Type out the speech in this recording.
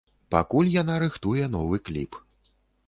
Пакуль яна рыхтуе новы кліп.